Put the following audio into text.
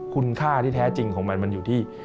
คุณค่าที่แท้จริงของมันมันอยู่ที่